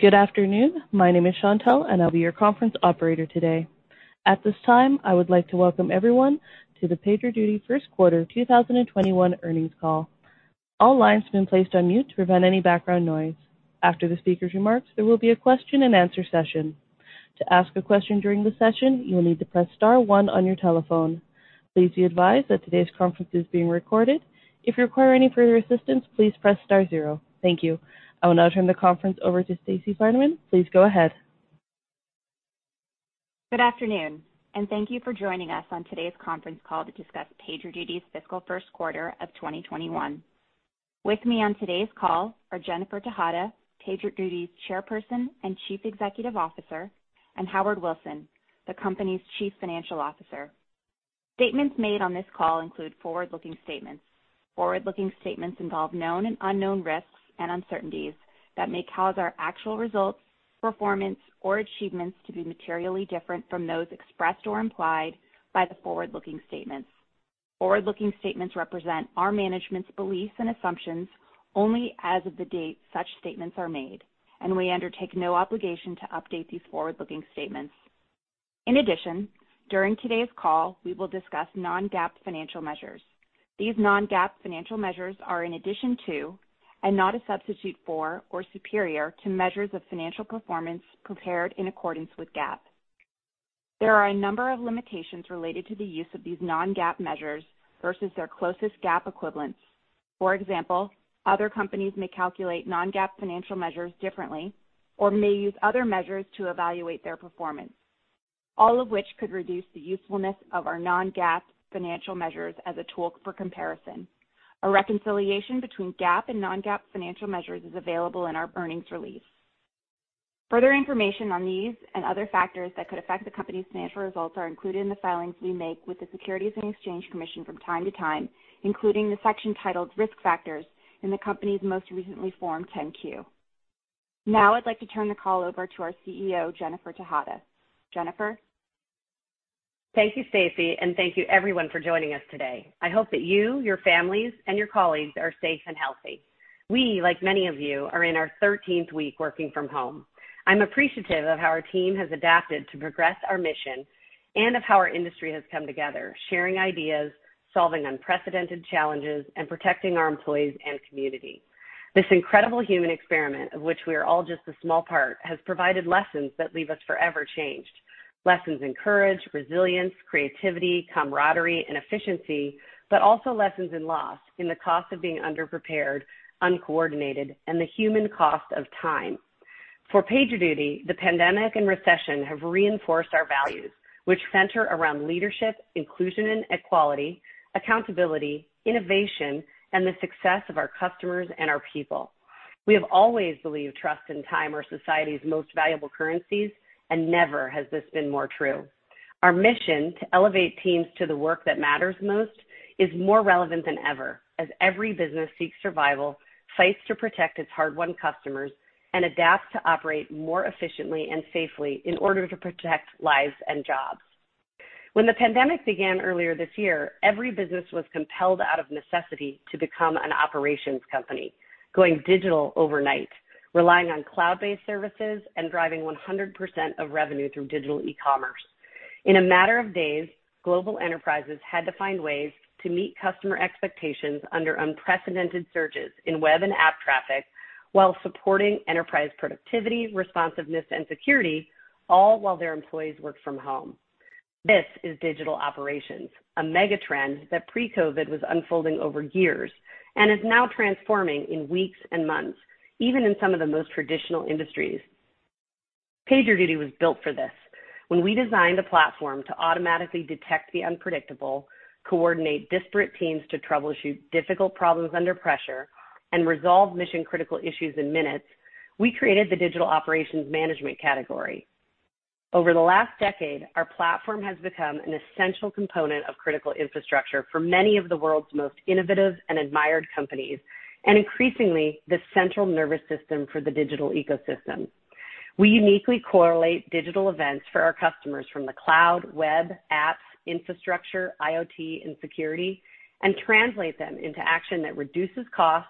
Good afternoon. My name is Shontelle, and I'll be your conference operator today. At this time, I would like to welcome everyone to the PagerDuty first quarter 2021 earnings call. All lines have been placed on mute to prevent any background noise. After the speaker's remarks, there will be a question and answer session. To ask a question during the session, you will need to press star one on your telephone. Please be advised that today's conference is being recorded. If you require any further assistance, please press star zero. Thank you. I will now turn the conference over to Stacey Finerman. Please go ahead. Good afternoon, and thank you for joining us on today's conference call to discuss PagerDuty's fiscal first quarter of 2021. With me on today's call are Jennifer Tejada, PagerDuty's Chairperson and Chief Executive Officer, and Howard Wilson, the company's Chief Financial Officer. Statements made on this call include forward-looking statements. Forward-looking statements involve known and unknown risks and uncertainties that may cause our actual results, performance, or achievements to be materially different from those expressed or implied by the forward-looking statements. Forward-looking statements represent our management's beliefs and assumptions only as of the date such statements are made, and we undertake no obligation to update these forward-looking statements. In addition, during today's call, we will discuss non-GAAP financial measures. These non-GAAP financial measures are in addition to, and not a substitute for or superior to, measures of financial performance prepared in accordance with GAAP. There are a number of limitations related to the use of these non-GAAP measures versus their closest GAAP equivalents. For example, other companies may calculate non-GAAP financial measures differently or may use other measures to evaluate their performance, all of which could reduce the usefulness of our non-GAAP financial measures as a tool for comparison. A reconciliation between GAAP and non-GAAP financial measures is available in our earnings release. Further information on these and other factors that could affect the company's financial results are included in the filings we make with the Securities and Exchange Commission from time to time, including the section titled Risk Factors in the company's most recently formed 10-Q. Now I'd like to turn the call over to our CEO, Jennifer Tejada. Jennifer? Thank you, Stacey, and thank you everyone for joining us today. I hope that you, your families, and your colleagues are safe and healthy. We, like many of you, are in our 13th week working from home. I'm appreciative of how our team has adapted to progress our mission and of how our industry has come together, sharing ideas, solving unprecedented challenges, and protecting our employees and community. This incredible human experiment, of which we are all just a small part, has provided lessons that leave us forever changed. Lessons in courage, resilience, creativity, camaraderie, and efficiency, but also lessons in loss, in the cost of being underprepared, uncoordinated, and the human cost of time. For PagerDuty, the pandemic and recession have reinforced our values, which center around leadership, inclusion, and equality, accountability, innovation, and the success of our customers and our people. We have always believed trust and time are society's most valuable currencies, and never has this been more true. Our mission, to elevate teams to the work that matters most, is more relevant than ever as every business seeks survival, fights to protect its hard-won customers, and adapts to operate more efficiently and safely in order to protect lives and jobs. When the pandemic began earlier this year, every business was compelled out of necessity to become an operations company, going digital overnight, relying on cloud-based services, and driving 100% of revenue through digital e-commerce. In a matter of days, global enterprises had to find ways to meet customer expectations under unprecedented surges in web and app traffic while supporting enterprise productivity, responsiveness, and security, all while their employees worked from home. This is digital operations, a mega trend that pre-COVID was unfolding over years and is now transforming in weeks and months, even in some of the most traditional industries. PagerDuty was built for this. When we designed a platform to automatically detect the unpredictable, coordinate disparate teams to troubleshoot difficult problems under pressure, and resolve mission-critical issues in minutes, we created the Digital Operations Management category. Over the last decade, our platform has become an essential component of critical infrastructure for many of the world's most innovative and admired companies, and increasingly, the central nervous system for the digital ecosystem. We uniquely correlate digital events for our customers from the cloud, web, apps, infrastructure, IoT, and security, and translate them into action that reduces cost,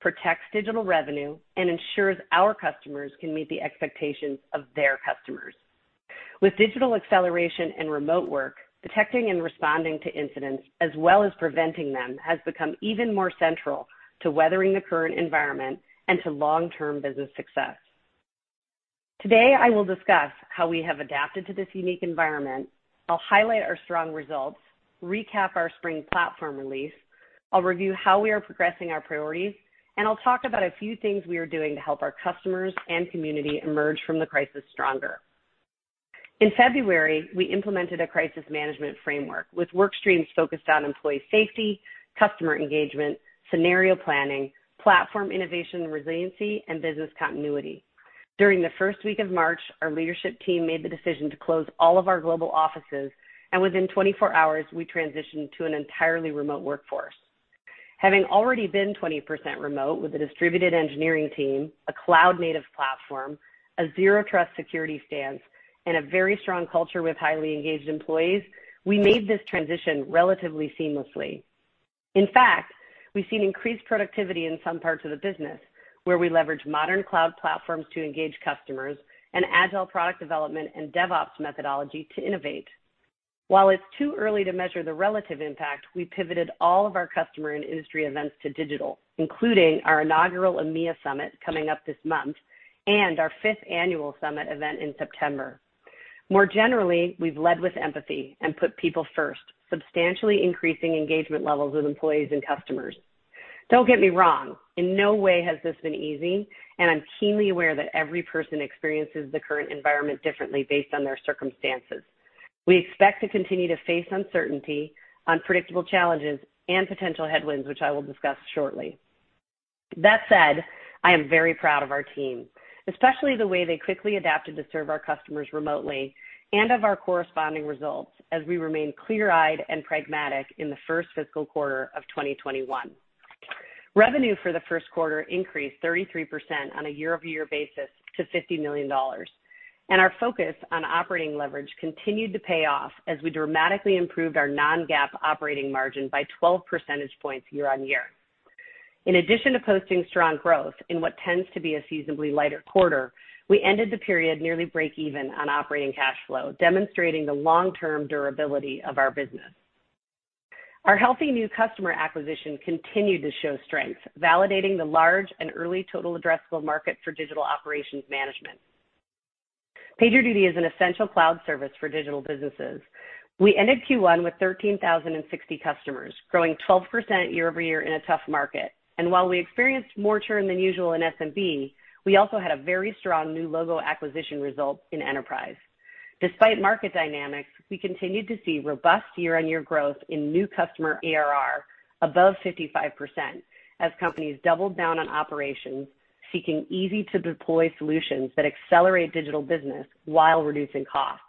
protects digital revenue, and ensures our customers can meet the expectations of their customers. With digital acceleration and remote work, detecting and responding to incidents as well as preventing them has become even more central to weathering the current environment and to long-term business success. Today, I will discuss how we have adapted to this unique environment. I'll highlight our strong results, recap our spring platform release, I'll review how we are progressing our priorities, and I'll talk about a few things we are doing to help our customers and community emerge from the crisis stronger. In February, we implemented a crisis management framework with work streams focused on employee safety, customer engagement, scenario planning, platform innovation and resiliency, and business continuity. During the first week of March, our leadership team made the decision to close all of our global offices. Within 24 hours, we transitioned to an entirely remote workforce. Having already been 20% remote with a distributed engineering team, a cloud-native platform, a zero-trust security stance, and a very strong culture with highly engaged employees, we made this transition relatively seamlessly. In fact, we've seen increased productivity in some parts of the business where we leverage modern cloud platforms to engage customers, and agile product development and DevOps methodology to innovate. While it's too early to measure the relative impact, we pivoted all of our customer and industry events to digital, including our inaugural EMEA summit coming up this month, and our fifth annual summit event in September. More generally, we've led with empathy and put people first, substantially increasing engagement levels with employees and customers. Don't get me wrong, in no way has this been easy, and I'm keenly aware that every person experiences the current environment differently based on their circumstances. We expect to continue to face uncertainty, unpredictable challenges, and potential headwinds, which I will discuss shortly. I am very proud of our team, especially the way they quickly adapted to serve our customers remotely, and of our corresponding results as we remain clear-eyed and pragmatic in the first fiscal quarter of 2021. Revenue for the first quarter increased 33% on a year-over-year basis to $50 million. Our focus on operating leverage continued to pay off as we dramatically improved our non-GAAP operating margin by 12 percentage points year-on-year. In addition to posting strong growth in what tends to be a seasonally lighter quarter, we ended the period nearly break-even on operating cash flow, demonstrating the long-term durability of our business. Our healthy new customer acquisition continued to show strength, validating the large and early total addressable market for Digital Operations Management. PagerDuty is an essential cloud service for digital businesses. We ended Q1 with 13,060 customers, growing 12% year-over-year in a tough market. While we experienced more churn than usual in SMB, we also had a very strong new logo acquisition result in enterprise. Despite market dynamics, we continued to see robust year-on-year growth in new customer ARR above 55% as companies doubled down on operations, seeking easy-to-deploy solutions that accelerate digital business while reducing costs.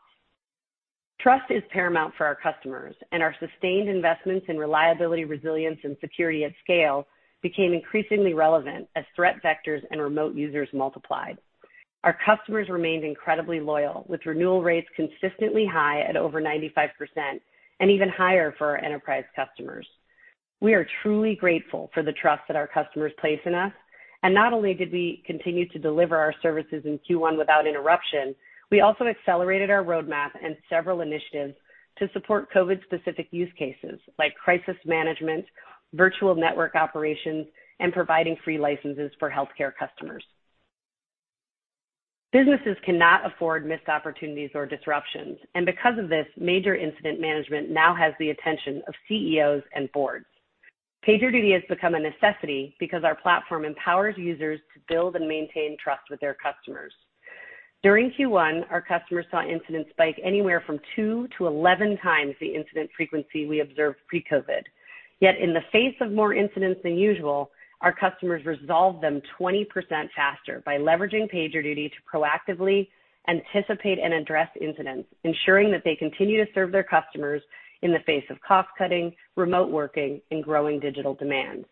Trust is paramount for our customers, and our sustained investments in reliability, resilience, and security at scale became increasingly relevant as threat vectors and remote users multiplied. Our customers remained incredibly loyal, with renewal rates consistently high at over 95%, and even higher for our enterprise customers. We are truly grateful for the trust that our customers place in us. Not only did we continue to deliver our services in Q1 without interruption, we also accelerated our roadmap and several initiatives to support COVID-specific use cases like crisis management, virtual network operations, and providing free licenses for healthcare customers. Businesses cannot afford missed opportunities or disruptions, and because of this, major incident management now has the attention of CEOs and boards. PagerDuty has become a necessity because our platform empowers users to build and maintain trust with their customers. During Q1, our customers saw incidents spike anywhere from two to 11 times the incident frequency we observed pre-COVID. Yet in the face of more incidents than usual, our customers resolved them 20% faster by leveraging PagerDuty to proactively anticipate and address incidents, ensuring that they continue to serve their customers in the face of cost-cutting, remote working, and growing digital demands.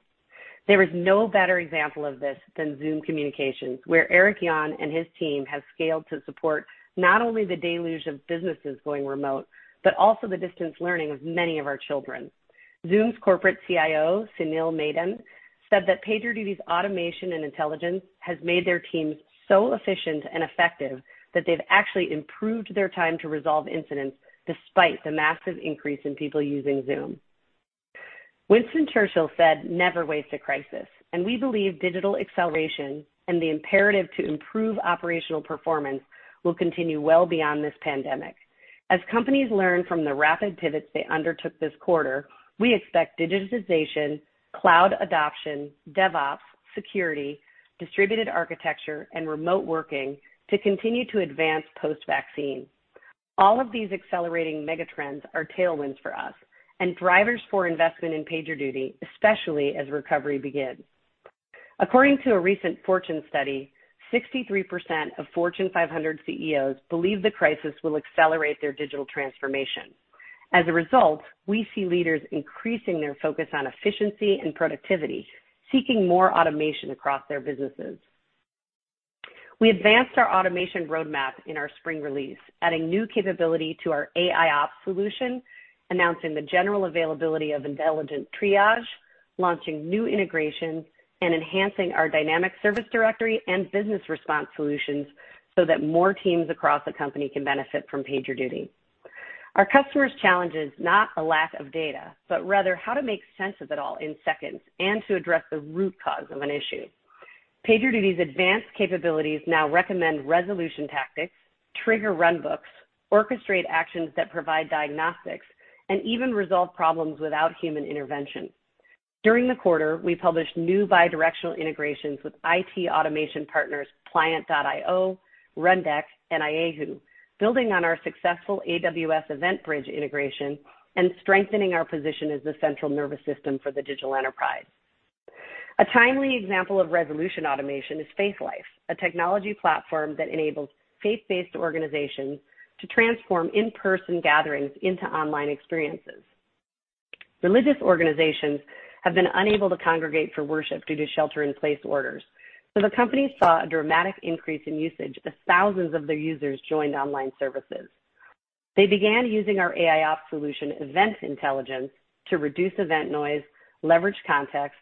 There is no better example of this than Zoom Communications, where Eric Yuan and his team have scaled to support not only the deluge of businesses going remote, but also the distance learning of many of our children. Zoom's corporate CIO, Sunil Madan, said that PagerDuty's automation and intelligence has made their teams so efficient and effective that they've actually improved their time to resolve incidents despite the massive increase in people using Zoom. Winston Churchill said, "Never waste a crisis." We believe digital acceleration and the imperative to improve operational performance will continue well beyond this pandemic. As companies learn from the rapid pivots they undertook this quarter, we expect digitization, cloud adoption, DevOps, security, distributed architecture, and remote working to continue to advance post-vaccine. All of these accelerating mega trends are tailwinds for us and drivers for investment in PagerDuty, especially as recovery begins. According to a recent Fortune study, 63% of Fortune 500 CEOs believe the crisis will accelerate their digital transformation. As a result, we see leaders increasing their focus on efficiency and productivity, seeking more automation across their businesses. We advanced our automation roadmap in our spring release, adding new capability to our AIOps solution, announcing the general availability of Intelligent Triage, launching new integrations, and enhancing our dynamic service directory and business response solutions so that more teams across the company can benefit from PagerDuty. Our customers challenge is not a lack of data, but rather how to make sense of it all in seconds and to address the root cause of an issue. PagerDuty's advanced capabilities now recommend resolution tactics, trigger runbooks, orchestrate actions that provide diagnostics, and even resolve problems without human intervention. During the quarter, we published new bi-directional integrations with IT automation partners Pliant.io, Rundeck, and Ayehu, building on our successful AWS EventBridge integration and strengthening our position as the central nervous system for the digital enterprise. A timely example of resolution automation is Faithlife, a technology platform that enables faith-based organizations to transform in-person gatherings into online experiences. Religious organizations have been unable to congregate for worship due to shelter-in-place orders. The company saw a dramatic increase in usage as thousands of their users joined online services. They began using our AIOps solution, Event Intelligence, to reduce event noise, leverage context,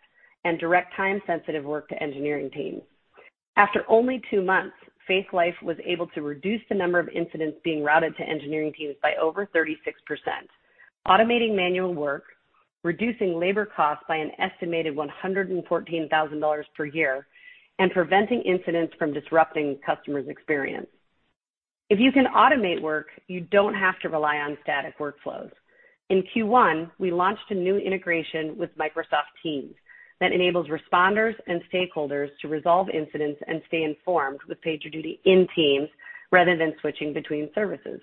and direct time-sensitive work to engineering teams. After only two months, Faithlife was able to reduce the number of incidents being routed to engineering teams by over 36%, automating manual work, reducing labor costs by an estimated $114,000 per year, and preventing incidents from disrupting customers' experience. If you can automate work, you don't have to rely on static workflows. In Q1, we launched a new integration with Microsoft Teams that enables responders and stakeholders to resolve incidents and stay informed with PagerDuty in Teams rather than switching between services.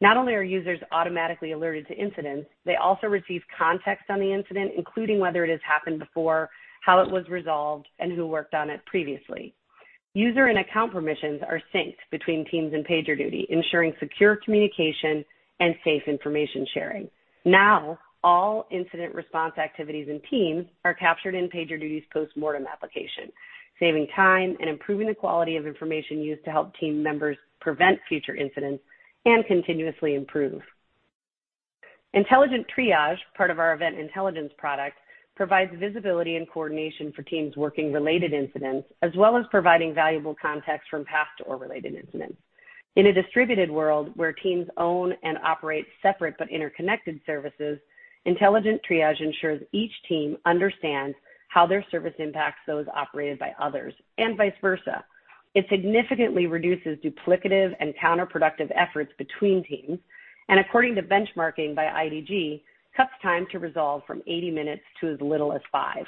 Not only are users automatically alerted to incidents, they also receive context on the incident, including whether it has happened before, how it was resolved, and who worked on it previously. User and account permissions are synced between Teams and PagerDuty, ensuring secure communication and safe information sharing. Now, all incident response activities in Teams are captured in PagerDuty's postmortem application, saving time and improving the quality of information used to help team members prevent future incidents and continuously improve. Intelligent Triage, part of our Event Intelligence product, provides visibility and coordination for teams working related incidents, as well as providing valuable context from past or related incidents. In a distributed world where teams own and operate separate but interconnected services, Intelligent Triage ensures each team understands how their service impacts those operated by others, and vice versa. It significantly reduces duplicative and counterproductive efforts between teams, and according to benchmarking by IDG, cuts time to resolve from 80 minutes to as little as five.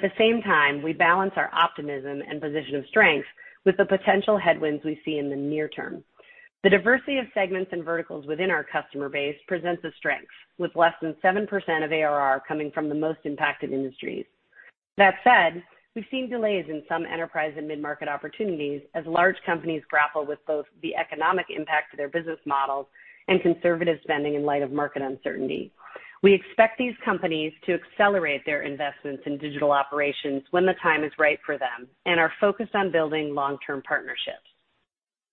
At the same time, we balance our optimism and position of strength with the potential headwinds we see in the near term. The diversity of segments and verticals within our customer base presents a strength, with less than 7% of ARR coming from the most impacted industries. That said, we've seen delays in some enterprise and mid-market opportunities as large companies grapple with both the economic impact to their business models and conservative spending in light of market uncertainty. We expect these companies to accelerate their investments in digital operations when the time is right for them and are focused on building long-term partnerships.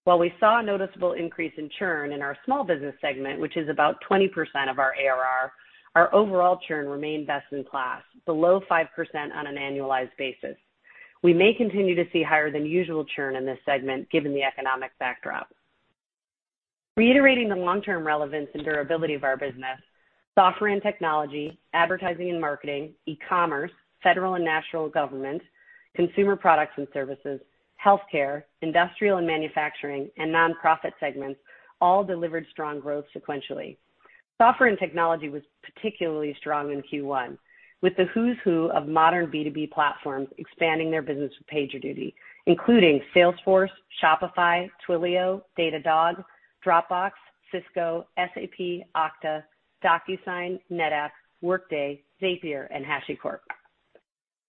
While we saw a noticeable increase in churn in our small business segment, which is about 20% of our ARR, our overall churn remained best in class, below 5% on an annualized basis. We may continue to see higher than usual churn in this segment given the economic backdrop. Reiterating the long-term relevance and durability of our business, software and technology, advertising and marketing, e-commerce, federal and national government, consumer products and services, healthcare, industrial and manufacturing, and non-profit segments all delivered strong growth sequentially. Software and technology was particularly strong in Q1, with the who's who of modern B2B platforms expanding their business with PagerDuty, including Salesforce, Shopify, Twilio, Datadog, Dropbox, Cisco, SAP, Okta, DocuSign, NetApp, Workday, Zapier, and HashiCorp.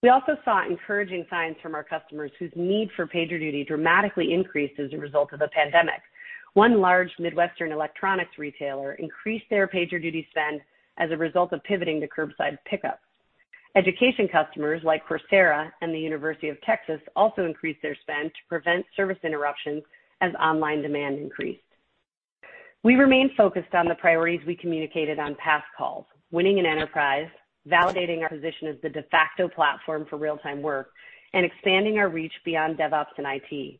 We also saw encouraging signs from our customers whose need for PagerDuty dramatically increased as a result of the pandemic. One large Midwestern electronics retailer increased their PagerDuty spend as a result of pivoting to curbside pickup. Education customers like Coursera and the University of Texas also increased their spend to prevent service interruptions as online demand increased. We remain focused on the priorities we communicated on past calls, winning in enterprise, validating our position as the de facto platform for real-time work, and expanding our reach beyond DevOps and IT.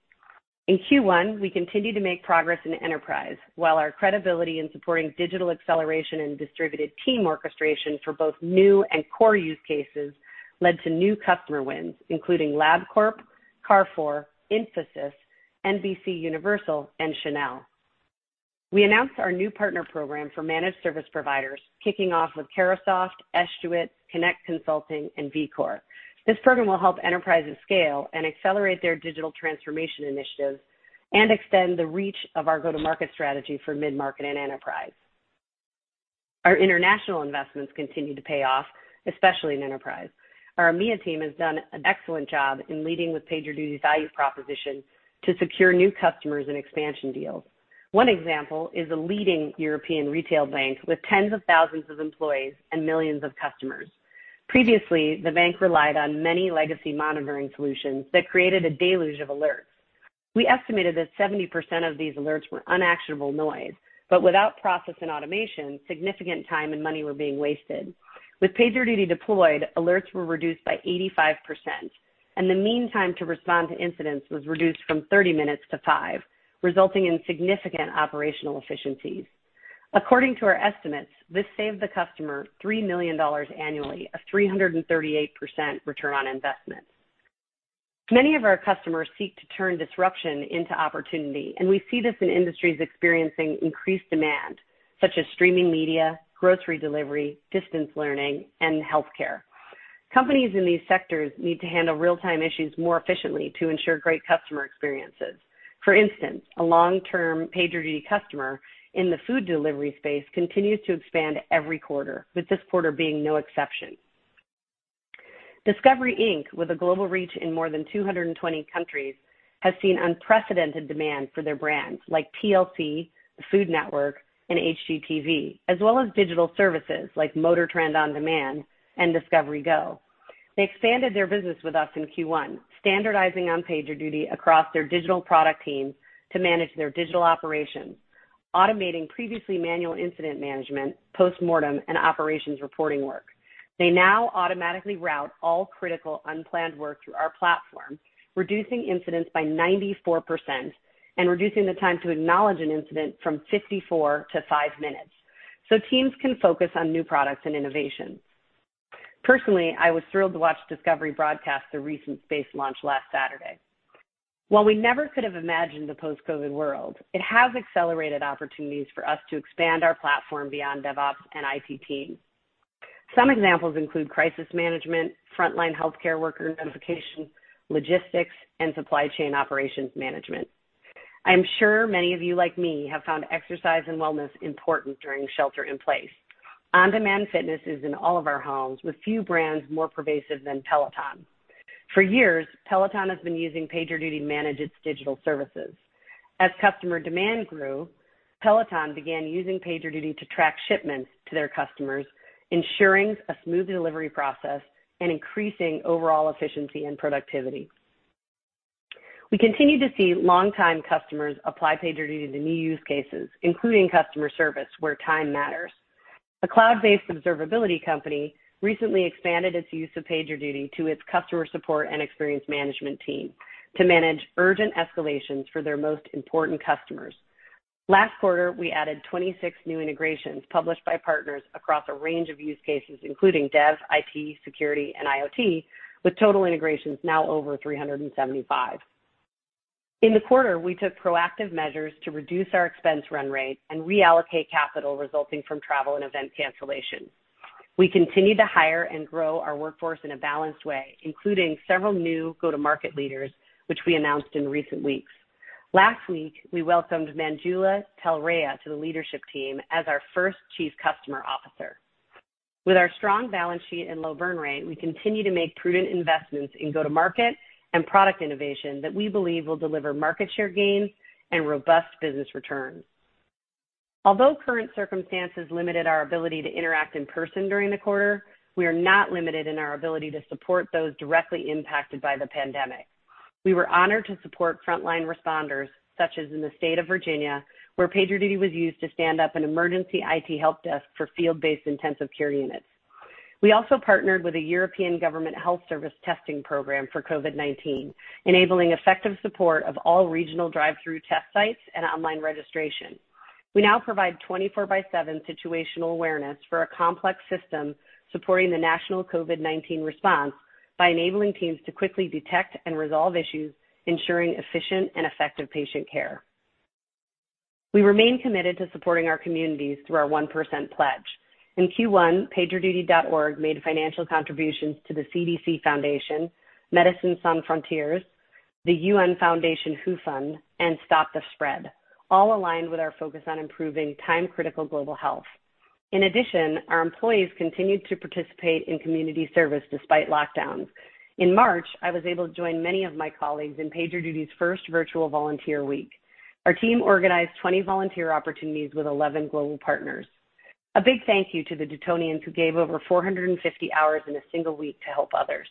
In Q1, we continued to make progress in enterprise, while our credibility in supporting digital acceleration and distributed team orchestration for both new and core use cases led to new customer wins, including LabCorp, Carrefour, Infosys, NBCUniversal, and Chanel. We announced our new partner program for managed service providers, kicking off with Terasoft, Estuate, Kinect Consulting, and vCORE. This program will help enterprises scale and accelerate their digital transformation initiatives and extend the reach of our go-to-market strategy for mid-market and enterprise. Our international investments continue to pay off, especially in enterprise. Our EMEA team has done an excellent job in leading with PagerDuty's value proposition to secure new customers and expansion deals. One example is a leading European retail bank with tens of thousands of employees and millions of customers. Previously, the bank relied on many legacy monitoring solutions that created a deluge of alerts. We estimated that 70% of these alerts were unactionable noise, but without process and automation, significant time and money were being wasted. With PagerDuty deployed, alerts were reduced by 85%, and the meantime to respond to incidents was reduced from 30 minutes to five, resulting in significant operational efficiencies. According to our estimates, this saved the customer $3 million annually, a 338% return on investment. Many of our customers seek to turn disruption into opportunity, and we see this in industries experiencing increased demand, such as streaming media, grocery delivery, distance learning, and healthcare. Companies in these sectors need to handle real-time issues more efficiently to ensure great customer experiences. For instance, a long-term PagerDuty customer in the food delivery space continues to expand every quarter, with this quarter being no exception. Discovery Inc, with a global reach in more than 220 countries, has seen unprecedented demand for their brands like TLC, the Food Network, and HGTV, as well as digital services like MotorTrend OnDemand and Discovery Go. They expanded their business with us in Q1, standardizing on PagerDuty across their digital product teams to manage their digital operations, automating previously manual incident management, postmortem, and operations reporting work. They now automatically route all critical unplanned work through our platform, reducing incidents by 94% and reducing the time to acknowledge an incident from 54 to five minutes, so teams can focus on new products and innovation. Personally, I was thrilled to watch Discovery broadcast the recent space launch last Saturday. While we never could have imagined the post-COVID world, it has accelerated opportunities for us to expand our platform beyond DevOps and IT teams. Some examples include crisis management, frontline healthcare worker notification, logistics, and supply chain operations management. I am sure many of you, like me, have found exercise and wellness important during shelter in place. On-demand fitness is in all of our homes, with few brands more pervasive than Peloton. For years, Peloton has been using PagerDuty to manage its digital services. As customer demand grew, Peloton began using PagerDuty to track shipments to their customers, ensuring a smooth delivery process and increasing overall efficiency and productivity. We continue to see longtime customers apply PagerDuty to new use cases, including customer service, where time matters. A cloud-based observability company recently expanded its use of PagerDuty to its customer support and experience management team to manage urgent escalations for their most important customers. Last quarter, we added 26 new integrations published by partners across a range of use cases, including dev, IT, security, and IoT, with total integrations now over 375. In the quarter, we took proactive measures to reduce our expense run rate and reallocate capital resulting from travel and event cancellations. We continue to hire and grow our workforce in a balanced way, including several new go-to-market leaders, which we announced in recent weeks. Last week, we welcomed Manjula Talreja to the leadership team as our first Chief Customer Officer. With our strong balance sheet and low burn rate, we continue to make prudent investments in go-to-market and product innovation that we believe will deliver market share gains and robust business returns. Although current circumstances limited our ability to interact in person during the quarter, we are not limited in our ability to support those directly impacted by the pandemic. We were honored to support frontline responders, such as in the state of Virginia, where PagerDuty was used to stand up an emergency IT help desk for field-based intensive care units. We also partnered with a European government health service testing program for COVID-19, enabling effective support of all regional drive-through test sites and online registration. We now provide 24 by seven situational awareness for a complex system supporting the national COVID-19 response by enabling teams to quickly detect and resolve issues, ensuring efficient and effective patient care. We remain committed to supporting our communities through our 1% pledge. In Q1, PagerDuty.org made financial contributions to the CDC Foundation, Médecins Sans Frontières, the UN Foundation WHO fund, and Stop the Spread, all aligned with our focus on improving time-critical global health. In addition, our employees continued to participate in community service despite lockdowns. In March, I was able to join many of my colleagues in PagerDuty's first virtual volunteer week. Our team organized 20 volunteer opportunities with 11 global partners. A big thank you to the Dutonians who gave over 450 hours in a single week to help others.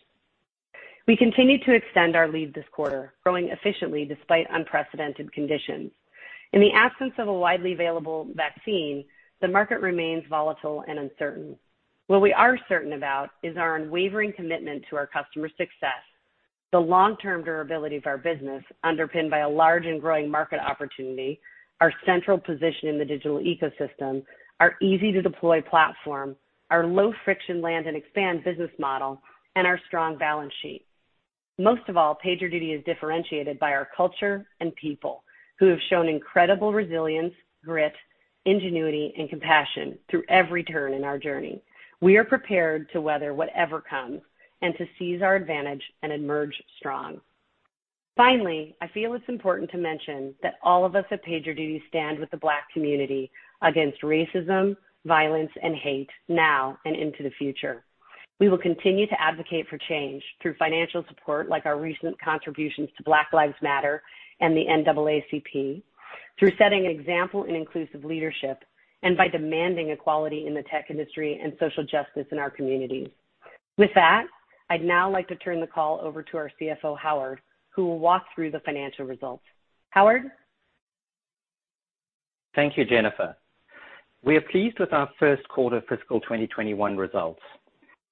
We continued to extend our lead this quarter, growing efficiently despite unprecedented conditions. In the absence of a widely available vaccine, the market remains volatile and uncertain. What we are certain about is our unwavering commitment to our customers' success, the long-term durability of our business, underpinned by a large and growing market opportunity, our central position in the digital ecosystem, our easy-to-deploy platform, our low-friction land and expand business model, and our strong balance sheet. Most of all, PagerDuty is differentiated by our culture and people who have shown incredible resilience, grit, ingenuity, and compassion through every turn in our journey. We are prepared to weather whatever comes and to seize our advantage and emerge strong. Finally, I feel it's important to mention that all of us at PagerDuty stand with the Black community against racism, violence, and hate now and into the future. We will continue to advocate for change through financial support, like our recent contributions to Black Lives Matter and the NAACP, through setting an example in inclusive leadership, and by demanding equality in the tech industry and social justice in our communities. With that, I'd now like to turn the call over to our CFO, Howard, who will walk through the financial results. Howard? Thank you, Jennifer. We are pleased with our first quarter fiscal 2021 results.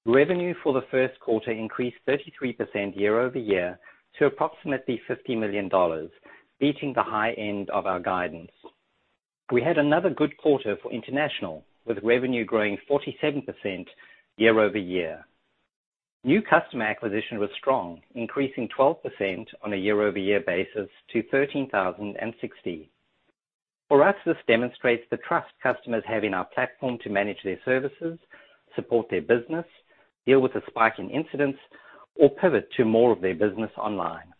Revenue for the first quarter increased 33% year-over-year to approximately $50 million, beating the high end of our guidance. We had another good quarter for international, with revenue growing 47% year-over-year. New customer acquisition was strong, increasing 12% on a year-over-year basis to 13,060. For us, this demonstrates the trust customers have in our platform to manage their services, support their business, deal with a spike in incidents, or pivot to more of their business online.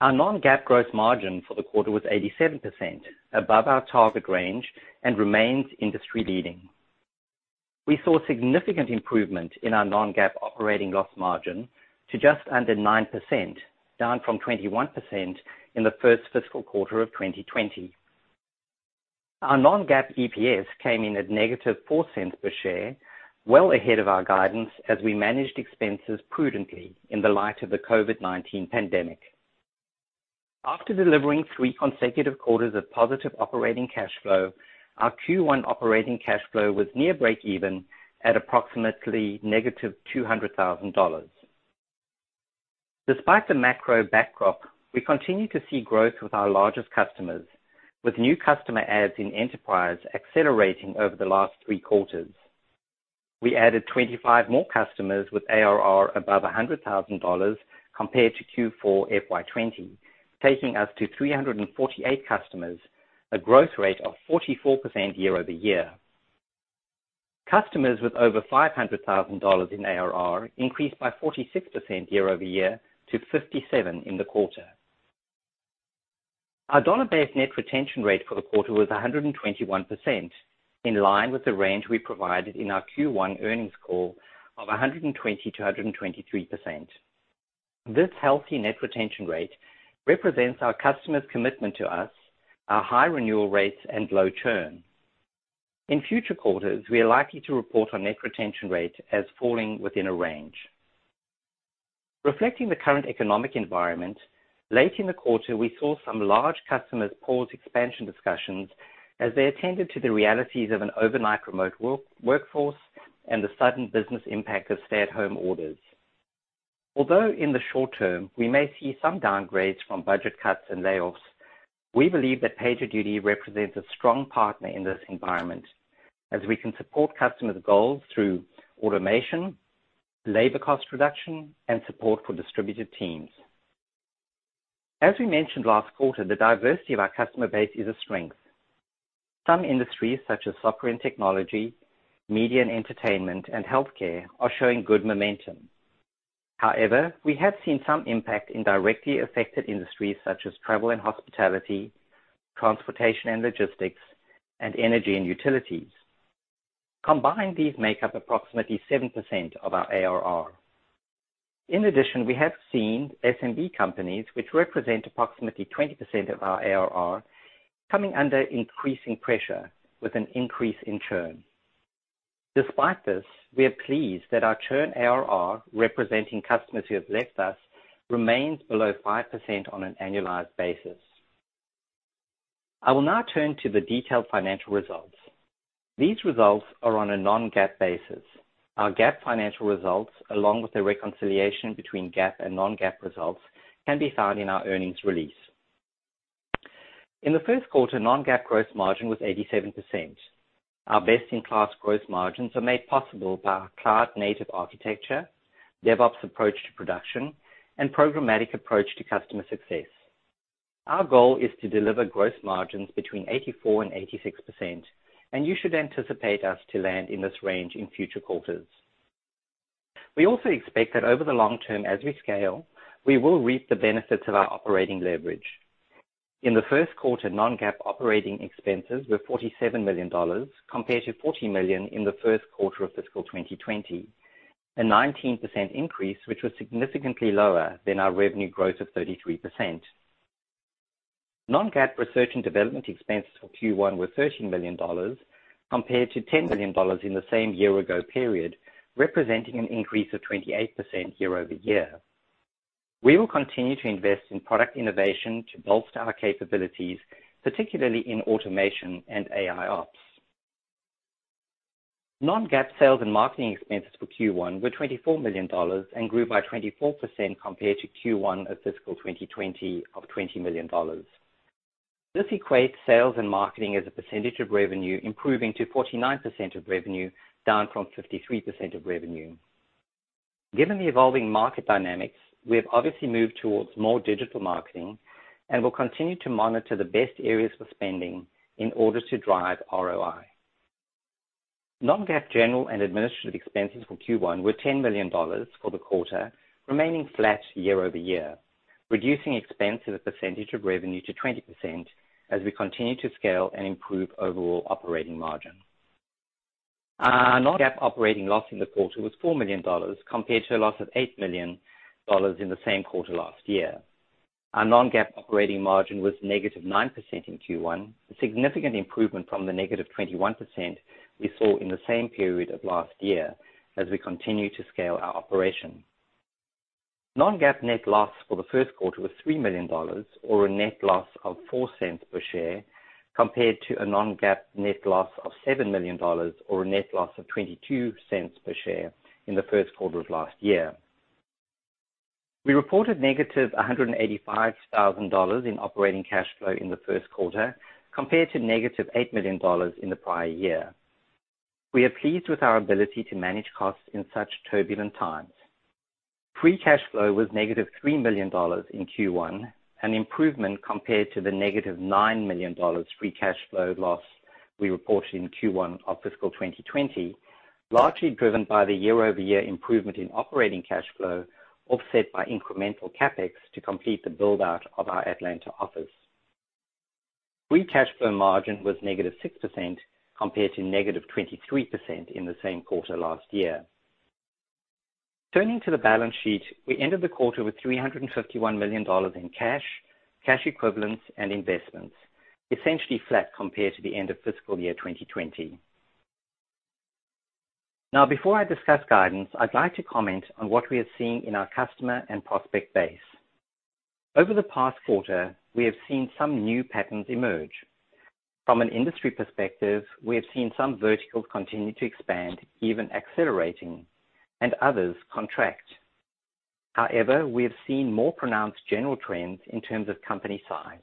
Our non-GAAP gross margin for the quarter was 87%, above our target range and remains industry-leading. We saw significant improvement in our non-GAAP operating loss margin to just under 9%, down from 21% in the first fiscal quarter of 2020. Our non-GAAP EPS came in at negative $0.04 per share, well ahead of our guidance as we managed expenses prudently in the light of the COVID-19 pandemic. After delivering three consecutive quarters of positive operating cash flow, our Q1 operating cash flow was near breakeven at approximately negative $200,000. Despite the macro backdrop, we continue to see growth with our largest customers, with new customer adds in enterprise accelerating over the last three quarters. We added 25 more customers with ARR above $100,000 compared to Q4 2020, taking us to 348 customers, a growth rate of 44% year-over-year. Customers with over $500,000 in ARR increased by 46% year-over-year to 57% in the quarter. Our dollar-based net retention rate for the quarter was 121%, in line with the range we provided in our Q1 earnings call of 120%-123%. This healthy net retention rate represents our customers' commitment to us, our high renewal rates, and low churn. In future quarters, we are likely to report our net retention rate as falling within a range. Reflecting the current economic environment, late in the quarter, we saw some large customers pause expansion discussions as they attended to the realities of an overnight remote workforce and the sudden business impact of stay-at-home orders. Although in the short term, we may see some downgrades from budget cuts and layoffs, we believe that PagerDuty represents a strong partner in this environment, as we can support customers' goals through automation, labor cost reduction, and support for distributed teams. As we mentioned last quarter, the diversity of our customer base is a strength. Some industries, such as software and technology, media and entertainment, and healthcare, are showing good momentum. We have seen some impact in directly affected industries such as travel and hospitality, transportation and logistics, and energy and utilities. Combined, these make up approximately 7% of our ARR. We have seen SMB companies, which represent approximately 20% of our ARR, coming under increasing pressure with an increase in churn. Despite this, we are pleased that our churn ARR, representing customers who have left us, remains below 5% on an annualized basis. I will now turn to the detailed financial results. These results are on a non-GAAP basis. Our GAAP financial results, along with the reconciliation between GAAP and non-GAAP results, can be found in our earnings release. In the first quarter, non-GAAP gross margin was 87%. Our best-in-class gross margins are made possible by our cloud-native architecture, DevOps approach to production, and programmatic approach to customer success. Our goal is to deliver gross margins between 84% and 86%, and you should anticipate us to land in this range in future quarters. We also expect that over the long term, as we scale, we will reap the benefits of our operating leverage. In the first quarter, non-GAAP operating expenses were $47 million compared to $14 million in the first quarter of fiscal 2020, a 19% increase, which was significantly lower than our revenue growth of 33%. Non-GAAP research and development expenses for Q1 were $13 million compared to $10 million in the same year ago period, representing an increase of 28% year-over-year. We will continue to invest in product innovation to bolster our capabilities, particularly in automation and AIOps. Non-GAAP sales and marketing expenses for Q1 were $24 million and grew by 24% compared to Q1 of fiscal 2020 of $20 million. This equates sales and marketing as a percentage of revenue improving to 49% of revenue, down from 53% of revenue. Given the evolving market dynamics, we have obviously moved towards more digital marketing and will continue to monitor the best areas for spending in order to drive ROI. Non-GAAP general and administrative expenses for Q1 were $10 million for the quarter, remaining flat year-over-year, reducing expense as a percentage of revenue to 20% as we continue to scale and improve overall operating margin. Our non-GAAP operating loss in the quarter was $4 million compared to a loss of $8 million in the same quarter last year. Our non-GAAP operating margin was negative 9% in Q1, a significant improvement from the negative 21% we saw in the same period of last year as we continue to scale our operation. Non-GAAP net loss for the first quarter was $3 million, or a net loss of $0.04 per share, compared to a non-GAAP net loss of $7 million, or a net loss of $0.22 per share in the first quarter of last year. We reported negative $185,000 in operating cash flow in the first quarter compared to negative $8 million in the prior year. We are pleased with our ability to manage costs in such turbulent times. Free cash flow was negative $3 million in Q1, an improvement compared to the negative $9 million free cash flow loss we reported in Q1 of fiscal 2020, largely driven by the year-over-year improvement in operating cash flow, offset by incremental CapEx to complete the build-out of our Atlanta office. Free cash flow margin was negative 6% compared to negative 23% in the same quarter last year. Turning to the balance sheet, we ended the quarter with $351 million in cash equivalents, and investments, essentially flat compared to the end of fiscal year 2020. Now, before I discuss guidance, I'd like to comment on what we are seeing in our customer and prospect base. Over the past quarter, we have seen some new patterns emerge. From an industry perspective, we have seen some verticals continue to expand, even accelerating, and others contract. However, we have seen more pronounced general trends in terms of company size.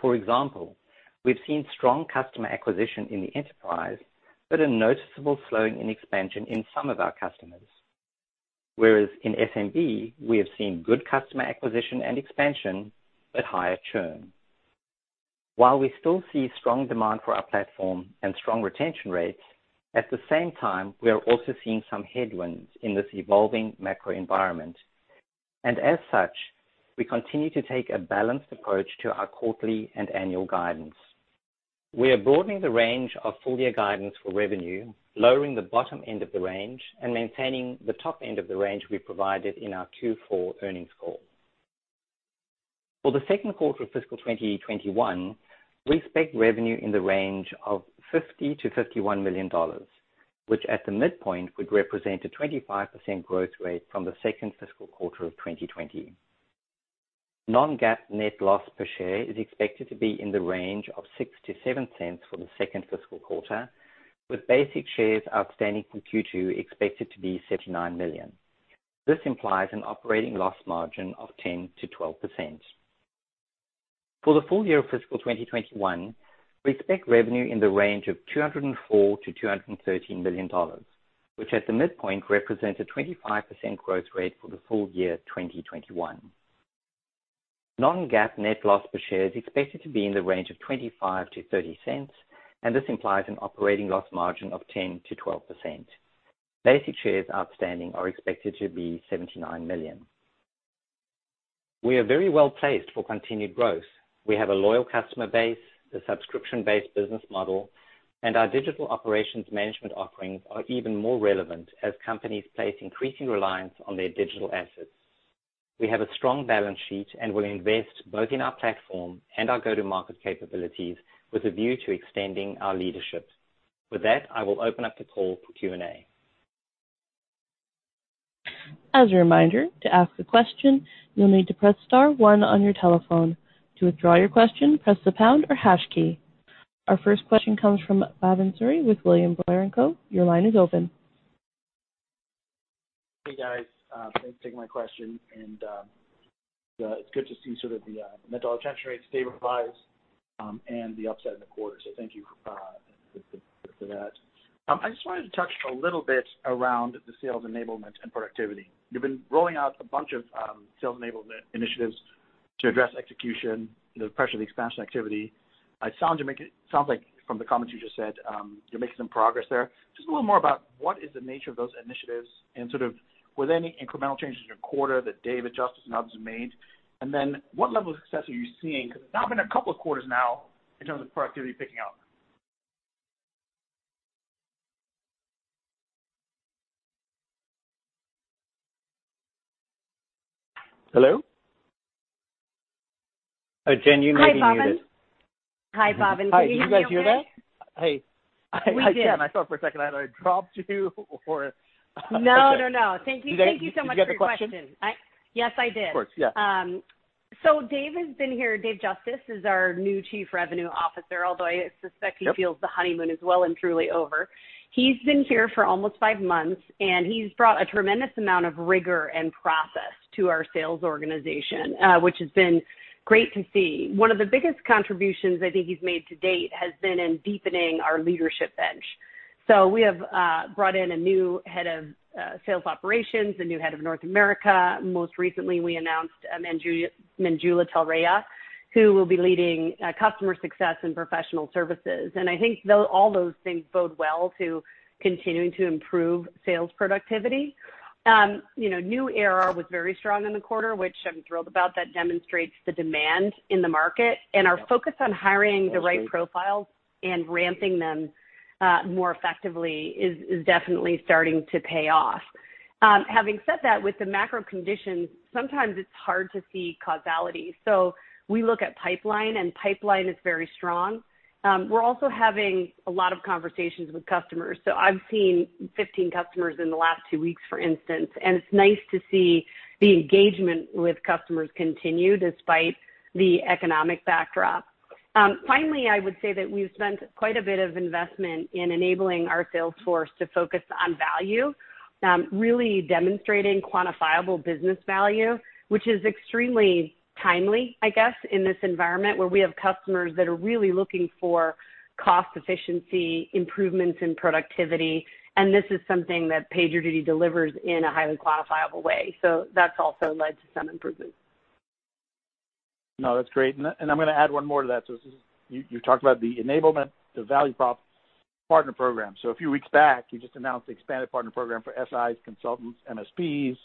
For example, we've seen strong customer acquisition in the enterprise, but a noticeable slowing in expansion in some of our customers. Whereas in SMB, we have seen good customer acquisition and expansion, but higher churn. While we still see strong demand for our platform and strong retention rates, at the same time, we are also seeing some headwinds in this evolving macro environment. As such, we continue to take a balanced approach to our quarterly and annual guidance. We are broadening the range of full year guidance for revenue, lowering the bottom end of the range, and maintaining the top end of the range we provided in our Q4 earnings call. For the second quarter of fiscal 2021, we expect revenue in the range of $50 million-$51 million, which at the midpoint would represent a 25% growth rate from the second fiscal quarter of 2020. non-GAAP net loss per share is expected to be in the range of $0.06-$0.07 for the second fiscal quarter, with basic shares outstanding from Q2 expected to be $79 million. This implies an operating loss margin of 10%-12%. For the full year of fiscal 2021, we expect revenue in the range of $204 million-$213 million, which at the midpoint represents a 25% growth rate for the full year 2021. non-GAAP net loss per share is expected to be in the range of $0.25-$0.30, and this implies an operating loss margin of 10%-12%. Basic shares outstanding are expected to be $79 million. We are very well-placed for continued growth. We have a loyal customer base, a subscription-based business model, and our Digital Operations Management offerings are even more relevant as companies place increasing reliance on their digital assets. We have a strong balance sheet and will invest both in our platform and our go-to-market capabilities with a view to extending our leadership. With that, I will open up the call for Q&A. As a reminder, to ask a question, you'll need to press star one on your telephone. To withdraw your question, press the pound or hash key. Our first question comes from Bhavan Suri with William Blair & Co. Your line is open. Hey, guys. Thanks for taking my question. It's good to see sort of the net dollar retention rates stabilize and the upside in the quarter. Thank you for that. I just wanted to touch a little bit around the sales enablement and productivity. You've been rolling out a bunch of sales enablement initiatives to address execution, the pressure of the expansion activity. It sounds like from the comments you just said, you're making some progress there. Just a little more about what is the nature of those initiatives and sort of were there any incremental changes in the quarter that Dave Justice and others have made? What level of success are you seeing? It's now been a couple of quarters now in terms of productivity picking up. Hello? Oh, Jen, you may be muted. Hi, Bhavan. Can you hear me okay? Hi. Can you guys hear that? Hey. We can. I thought for a second I either dropped you or. No, no. Thank you so much for your question. Do you get the question? Yes, I did. Of course, yeah. Dave has been here, Dave Justice is our new Chief Revenue Officer, although I suspect he feels the honeymoon is well and truly over. He's been here for almost five months, and he's brought a tremendous amount of rigor and process to our sales organization, which has been great to see. One of the biggest contributions I think he's made to date has been in deepening our leadership bench. We have brought in a new head of sales operations, a new head of North America. Most recently, we announced Manjula Talreja, who will be leading customer success and professional services. I think all those things bode well to continuing to improve sales productivity. New AE was very strong in the quarter, which I'm thrilled about. That demonstrates the demand in the market and our focus on hiring the right profiles and ramping them more effectively is definitely starting to pay off. Having said that, with the macro conditions, sometimes it's hard to see causality. We look at pipeline, and pipeline is very strong. We're also having a lot of conversations with customers. I've seen 15 customers in the last two weeks, for instance, and it's nice to see the engagement with customers continue despite the economic backdrop. Finally, I would say that we've spent quite a bit of investment in enabling our sales force to focus on value, really demonstrating quantifiable business value, which is extremely timely, I guess, in this environment where we have customers that are really looking for cost efficiency, improvements in productivity, and this is something that PagerDuty delivers in a highly quantifiable way. That's also led to some improvements. No, that's great. I'm going to add one more to that. You talked about the enablement, the value prop partner program. A few weeks back, you just announced the expanded partner program for SIs, consultants, MSPs.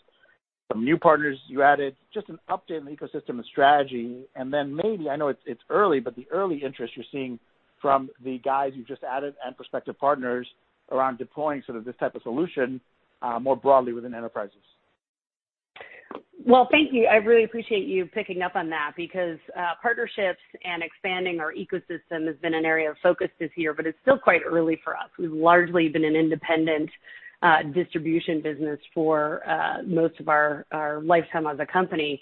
Some new partners you added, just an update on the ecosystem and strategy, and then maybe, I know it's early, but the early interest you're seeing from the guys you've just added and prospective partners around deploying sort of this type of solution, more broadly within enterprises. Well, thank you. I really appreciate you picking up on that because partnerships and expanding our ecosystem has been an area of focus this year, but it's still quite early for us. We've largely been an independent distribution business for most of our lifetime as a company.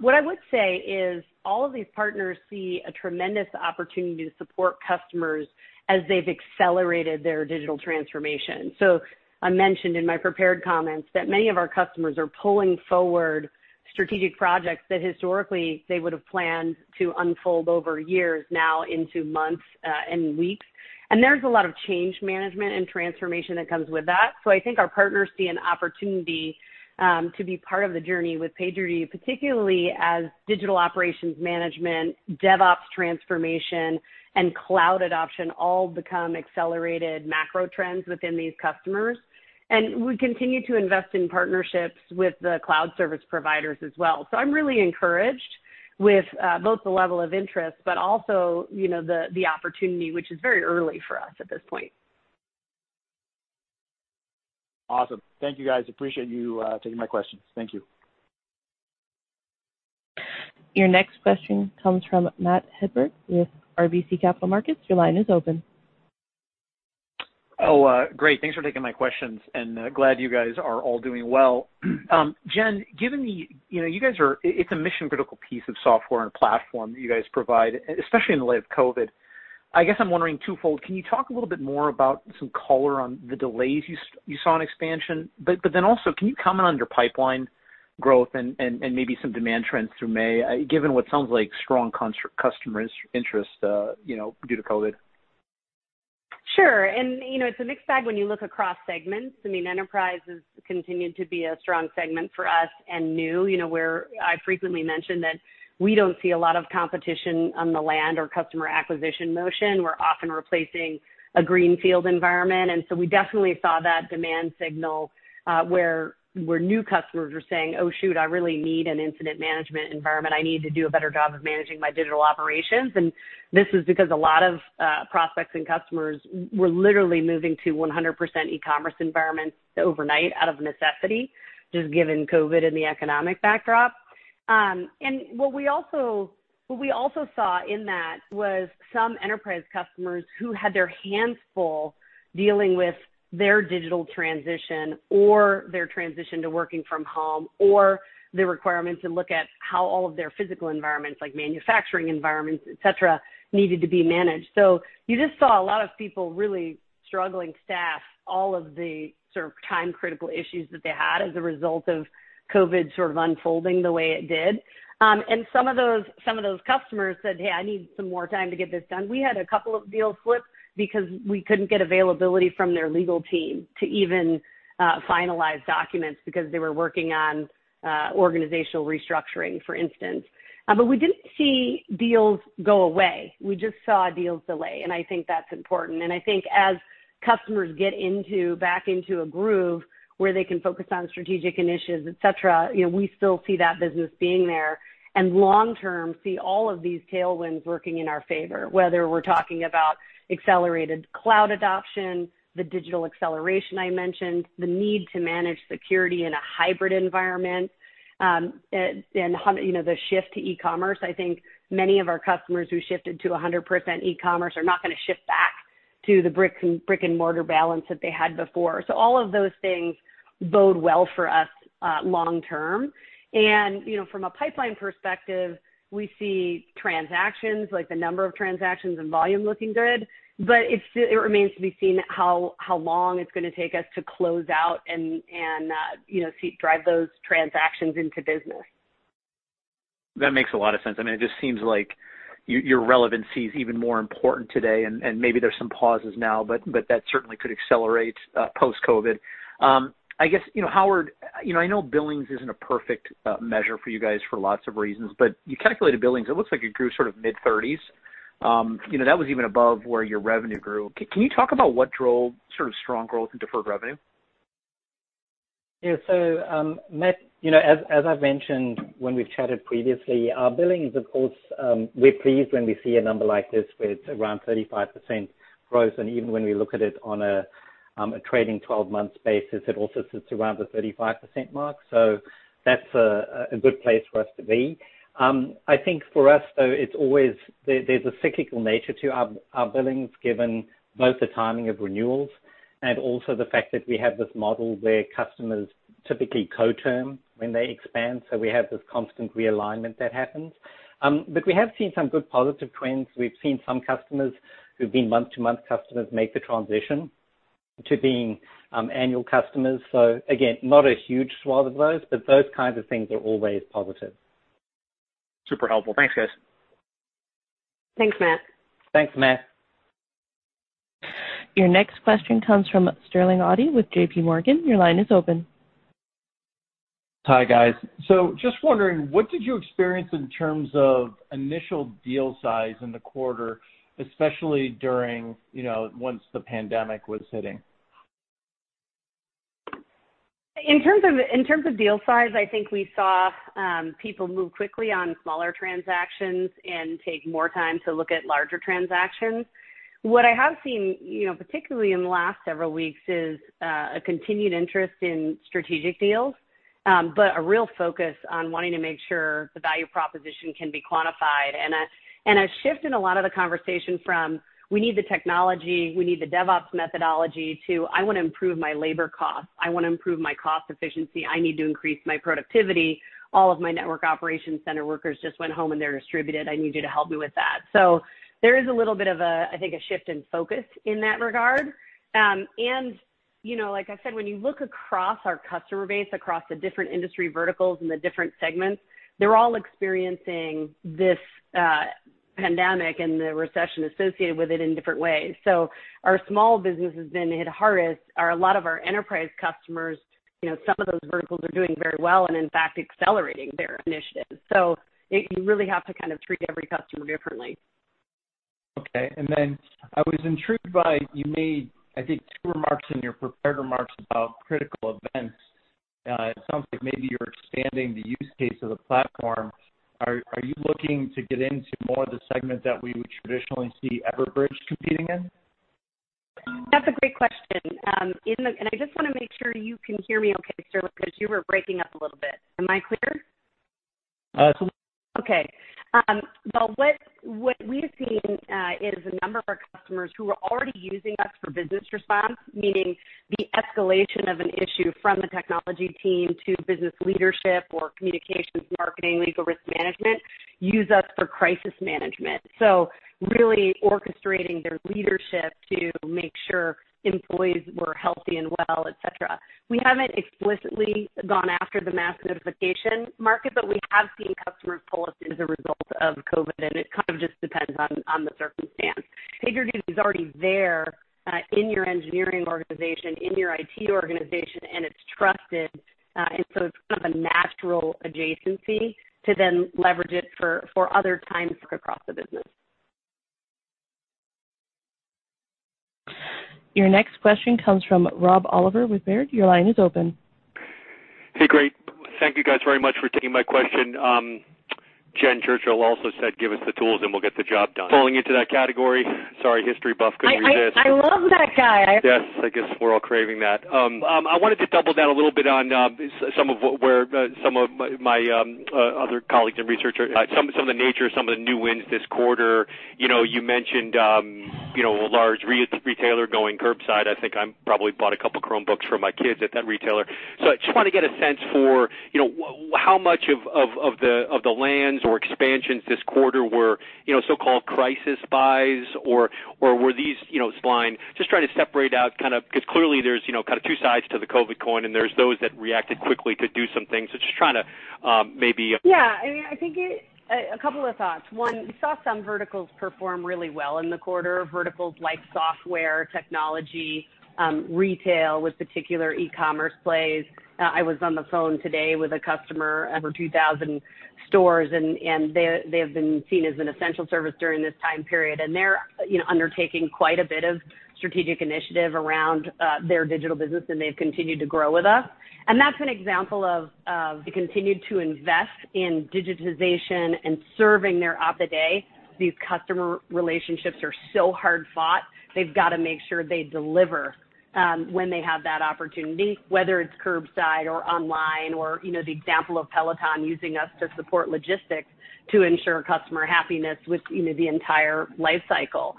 What I would say is all of these partners see a tremendous opportunity to support customers as they've accelerated their digital transformation. I mentioned in my prepared comments that many of our customers are pulling forward strategic projects that historically they would've planned to unfold over years now into months, and weeks. There's a lot of change management and transformation that comes with that. I think our partners see an opportunity, to be part of the journey with PagerDuty, particularly as Digital Operations Management, DevOps transformation, and cloud adoption all become accelerated macro trends within these customers. We continue to invest in partnerships with the cloud service providers as well. I'm really encouraged with both the level of interest, but also the opportunity, which is very early for us at this point. Awesome. Thank you, guys. Appreciate you taking my questions. Thank you. Your next question comes from Matt Hedberg with RBC Capital Markets. Your line is open. Oh, great. Thanks for taking my questions, and glad you guys are all doing well. Jen, it's a mission-critical piece of software and platform that you guys provide, especially in the light of COVID. I guess I'm wondering twofold, can you talk a little bit more about some color on the delays you saw on expansion? Also, can you comment on your pipeline growth and maybe some demand trends through May, given what sounds like strong customer interest, due to COVID? Sure. It's a mixed bag when you look across segments. I mean, enterprise has continued to be a strong segment for us and new, where I frequently mention that we don't see a lot of competition on the land or customer acquisition motion. We're often replacing a greenfield environment. We definitely saw that demand signal, where new customers are saying, "Oh, shoot, I really need an incident management environment. I need to do a better job of managing my digital operations." This is because a lot of prospects and customers were literally moving to 100% e-commerce environments overnight out of necessity, just given COVID-19 and the economic backdrop. What we also saw in that was some enterprise customers who had their hands full dealing with their digital transition or their transition to working from home or the requirements to look at how all of their physical environments, like manufacturing environments, et cetera, needed to be managed. You just saw a lot of people really struggling to staff all of the sort of time-critical issues that they had as a result of COVID unfolding the way it did. Some of those customers said, "Hey, I need some more time to get this done." We had a couple of deals slip because we couldn't get availability from their legal team to even finalize documents because they were working on organizational restructuring, for instance. We didn't see deals go away. We just saw deals delay, and I think that's important. I think as customers get back into a groove where they can focus on strategic initiatives, et cetera, we still see that business being there, and long term, see all of these tailwinds working in our favor, whether we're talking about accelerated cloud adoption, the digital acceleration I mentioned, the need to manage security in a hybrid environment, and the shift to e-commerce. I think many of our customers who shifted to 100% e-commerce are not gonna shift back to the brick-and-mortar balance that they had before. All of those things bode well for us, long term. From a pipeline perspective, we see transactions, like the number of transactions and volume looking good, but it remains to be seen how long it's gonna take us to close out and drive those transactions into business. That makes a lot of sense. I mean, it just seems like your relevancy is even more important today, and maybe there's some pauses now, but that certainly could accelerate post-COVID. I guess, Howard, I know billings isn't a perfect measure for you guys for lots of reasons, but you calculated billings. It looks like it grew sort of mid-thirties. That was even above where your revenue grew. Can you talk about what drove strong growth in deferred revenue? Matt, as I've mentioned when we've chatted previously, our billings, of course, we're pleased when we see a number like this where it's around 35% growth, and even when we look at it on a trailing 12-month basis, it also sits around the 35% mark. That's a good place for us to be. I think for us, though, there's a cyclical nature to our billings given both the timing of renewals and also the fact that we have this model where customers typically co-term when they expand, so we have this constant realignment that happens. We have seen some good positive trends. We've seen some customers who've been month-to-month customers make the transition to being annual customers. Again, not a huge swath of those, but those kinds of things are always positive. Super helpful. Thanks, guys. Thanks, Matt. Thanks, Matt. Your next question comes from Sterling Auty with JPMorgan. Your line is open. Hi, guys. Just wondering, what did you experience in terms of initial deal size in the quarter, especially once the pandemic was hitting? In terms of deal size, I think we saw people move quickly on smaller transactions and take more time to look at larger transactions. What I have seen, particularly in the last several weeks, is a continued interest in strategic deals, but a real focus on wanting to make sure the value proposition can be quantified. A shift in a lot of the conversation from we need the technology, we need the DevOps methodology, to I want to improve my labor costs. I want to improve my cost efficiency. I need to increase my productivity. All of my network operations center workers just went home, and they're distributed. I need you to help me with that. There is a little bit of a, I think, a shift in focus in that regard. Like I said, when you look across our customer base, across the different industry verticals and the different segments, they're all experiencing this pandemic and the recession associated with it in different ways. Our small businesses been hit hardest are a lot of our enterprise customers. Some of those verticals are doing very well and in fact, accelerating their initiatives. You really have to kind of treat every customer differently. Okay, then I was intrigued by, you made, I think, two remarks in your prepared remarks about critical events. It sounds like maybe you're expanding the use case of the platform. Are you looking to get into more of the segment that we would traditionally see Everbridge competing in? That's a great question. I just want to make sure you can hear me okay, sir, because you were breaking up a little bit. Am I clear? Absolutely. Okay. Well, what we've seen is a number of our customers who were already using us for business response, meaning the escalation of an issue from the technology team to business leadership or communications, marketing, legal, risk management, use us for crisis management. Really orchestrating their leadership to make sure employees were healthy and well, et cetera. We haven't explicitly gone after the mass notification market, but we have seen customers pull us in as a result of COVID, and it kind of just depends on the circumstance. PagerDuty is already there in your engineering organization, in your IT organization, and it's trusted. It's kind of a natural adjacency to then leverage it for other times across the business. Your next question comes from Rob Oliver with Baird. Your line is open. Hey, great. Thank you guys very much for taking my question. Churchill also said, "Give us the tools, and we'll get the job done." Falling into that category. Sorry, history buff, couldn't resist. I love that guy. Yes, I guess we're all craving that. I wanted to double down a little bit on some of my other colleagues and researchers. Some of the nature of some of the new wins this quarter. You mentioned a large retailer going curbside. I think I probably bought a couple Chromebooks for my kids at that retailer. I just want to get a sense for how much of the lands or expansions this quarter were so-called crisis buys, or were these planned? Just trying to separate out kind of, because clearly there's kind of two sides to the COVID coin, and there's those that reacted quickly to do some things. A couple of thoughts. One, we saw some verticals perform really well in the quarter. Verticals like software, technology, retail with particular e-commerce plays. I was on the phone today with a customer, over 2,000 stores, and they have been seen as an essential service during this time period. They're undertaking quite a bit of strategic initiative around their digital business, and they've continued to grow with us. That's an example of they continued to invest in digitization and serving their op of day. These customer relationships are so hard-fought. They've got to make sure they deliver when they have that opportunity, whether it's curbside or online, or the example of Peloton using us to support logistics to ensure customer happiness with the entire life cycle.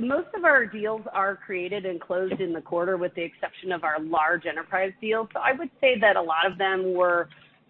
Most of our deals are created and closed in the quarter, with the exception of our large enterprise deals. I would say that a lot of them were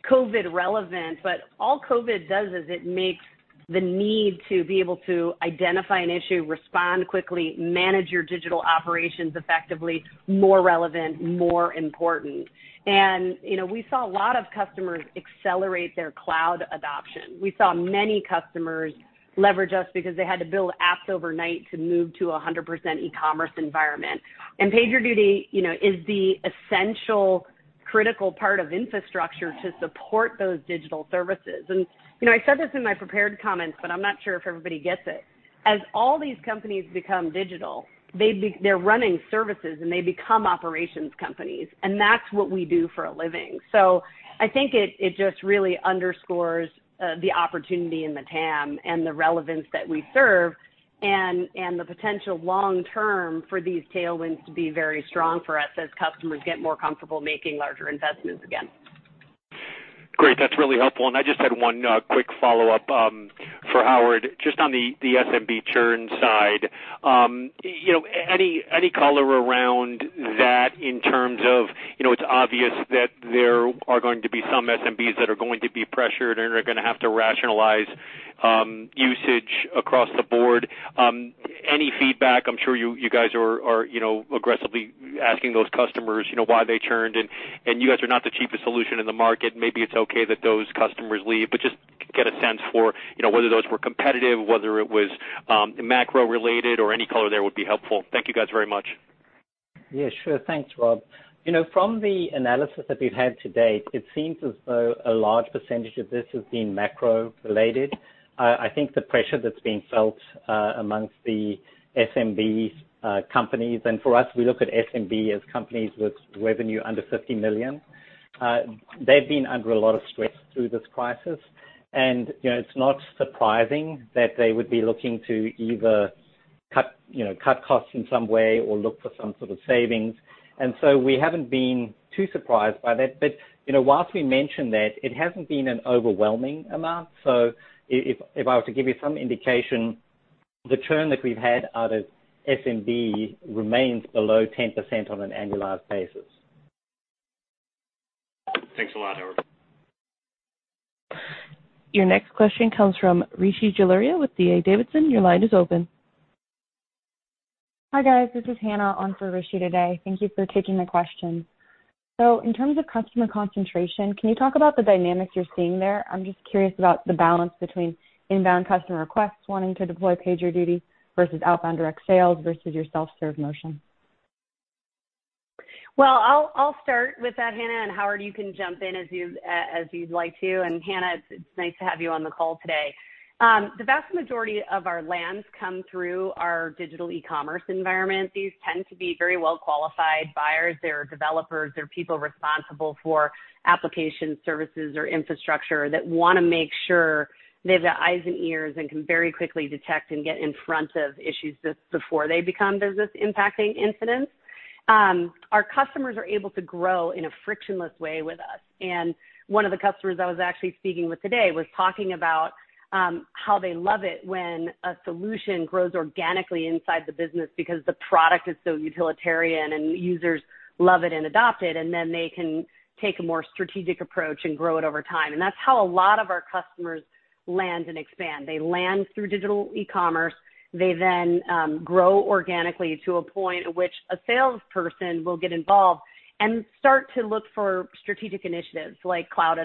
COVID-19 relevant, but all COVID-19 does is it makes the need to be able to identify an issue, respond quickly, manage your digital operations effectively, more relevant, more important. We saw a lot of customers accelerate their cloud adoption. We saw many customers leverage us because they had to build apps overnight to move to 100% e-commerce environment. PagerDuty is the essential, critical part of infrastructure to support those digital services. I said this in my prepared comments, but I'm not sure if everybody gets it. As all these companies become digital, they're running services, and they become operations companies, and that's what we do for a living. I think it just really underscores the opportunity in the TAM and the relevance that we serve and the potential long-term for these tailwinds to be very strong for us as customers get more comfortable making larger investments again. Great. That's really helpful. I just had one quick follow-up for Howard, just on the SMB churn side. Any color around that in terms of, it's obvious that there are going to be some SMBs that are going to be pressured and are going to have to rationalize usage across the board. Any feedback? I'm sure you guys are aggressively asking those customers why they churned, and you guys are not the cheapest solution in the market. Maybe it's okay that those customers leave, but just get a sense for whether those were competitive, whether it was macro related or any color there would be helpful. Thank you guys very much. Sure. Thanks, Rob. From the analysis that we've had to date, it seems as though a large percentage of this has been macro-related. I think the pressure that's being felt amongst the SMB companies, and for us, we look at SMB as companies with revenue under $50 million. They've been under a lot of stress through this crisis, and it's not surprising that they would be looking to either cut costs in some way or look for some sort of savings. Whilst we mentioned that, it hasn't been an overwhelming amount. If I were to give you some indication, the churn that we've had out of SMB remains below 10% on an annualized basis. Thanks a lot, Howard. Your next question comes from Rishi Jaluria with D.A. Davidson. Your line is open. Hi, guys. This is Hannah on for Rishi today. Thank you for taking my questions. In terms of customer concentration, can you talk about the dynamics you're seeing there? I'm just curious about the balance between inbound customer requests wanting to deploy PagerDuty versus outbound direct sales versus your self-serve motion. Well, I'll start with that, Hannah, Howard, you can jump in as you'd like to. Hannah, it's nice to have you on the call today. The vast majority of our lands come through our digital e-commerce environment. These tend to be very well-qualified buyers. They're developers. They're people responsible for application services or infrastructure that want to make sure they have the eyes and ears and can very quickly detect and get in front of issues just before they become business-impacting incidents. Our customers are able to grow in a frictionless way with us. One of the customers I was actually speaking with today was talking about how they love it when a solution grows organically inside the business because the product is so utilitarian, and users love it and adopt it, and then they can take a more strategic approach and grow it over time. That's how a lot of our customers land and expand. They land through digital e-commerce. They grow organically to a point at which a salesperson will get involved and start to look for strategic initiatives like cloud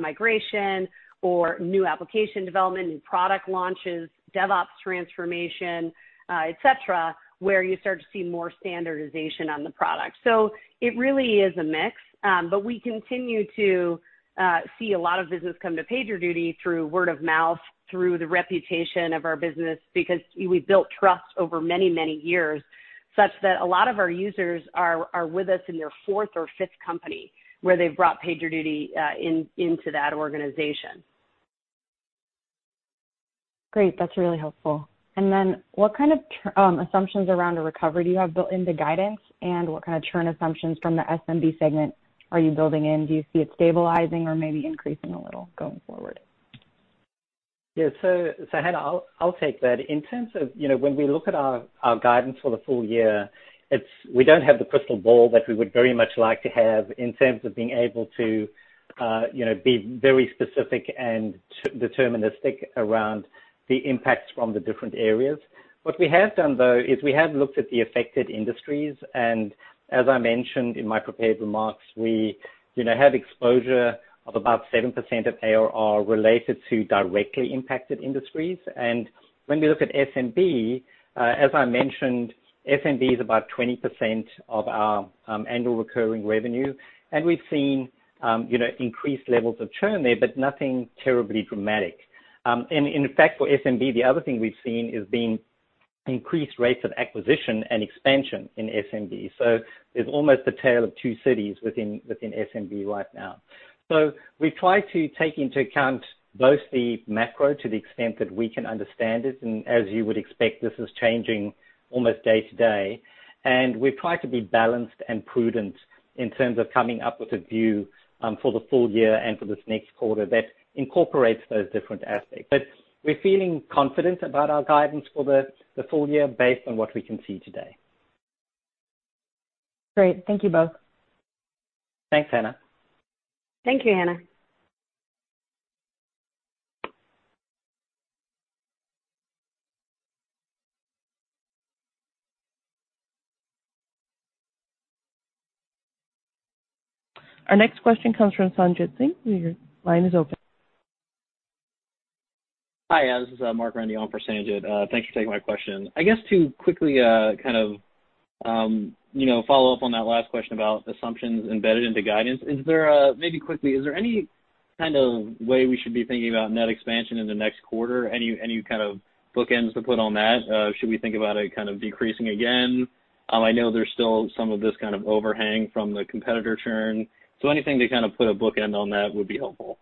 migration or new application development, new product launches, DevOps transformation, et cetera, where you start to see more standardization on the product. It really is a mix, but we continue to see a lot of business come to PagerDuty through word of mouth, through the reputation of our business, because we built trust over many, many years, such that a lot of our users are with us in their fourth or fifth company, where they've brought PagerDuty into that organization. Great. That's really helpful. What kind of assumptions around a recovery do you have built into guidance, and what kind of churn assumptions from the SMB segment are you building in? Do you see it stabilizing or maybe increasing a little going forward? Hannah, I'll take that. In terms of when we look at our guidance for the full year, we don't have the crystal ball that we would very much like to have in terms of being able to be very specific and deterministic around the impacts from the different areas. What we have done, though, is we have looked at the affected industries, and as I mentioned in my prepared remarks, we have exposure of about 7% of ARR related to directly impacted industries. When we look at SMB, as I mentioned, SMB is about 20% of our annual recurring revenue, and we've seen increased levels of churn there, but nothing terribly dramatic. In fact, for SMB, the other thing we've seen is the increased rates of acquisition and expansion in SMB. It's almost the tale of two cities within SMB right now. We've tried to take into account both the macro to the extent that we can understand it, and as you would expect, this is changing almost day to day, and we've tried to be balanced and prudent in terms of coming up with a view for the full year and for this next quarter that incorporates those different aspects. We're feeling confident about our guidance for the full year based on what we can see today. Great. Thank you both. Thanks, Hannah. Thank you, Hannah. Our next question comes from Sanjit Singh. Your line is open. Hi, this is Mark Randy on for Sanjit. Thanks for taking my question. I guess to quickly follow up on that last question about assumptions embedded into guidance, maybe quickly, is there any way we should be thinking about net expansion in the next quarter? Any bookends to put on that? Should we think about it decreasing again? I know there's still some of this overhang from the competitor churn. Anything to put a bookend on that would be helpful.